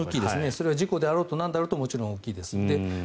それは事故であろうとなんであろうともちろん大きいです。